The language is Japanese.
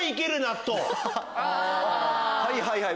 はいはいはい。